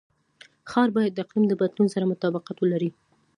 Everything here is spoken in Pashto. ښار باید د اقلیم د بدلون سره مطابقت ولري.